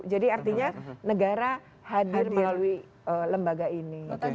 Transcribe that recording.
jadi artinya negara hadir melalui lembaga ini